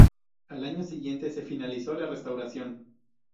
Al año siguiente se finalizó la restauración.